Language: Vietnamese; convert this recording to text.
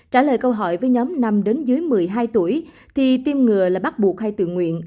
trả lời câu hỏi với nhóm năm đến dưới một mươi hai tuổi thì tiêm ngừa là bắt buộc hay tự nguyện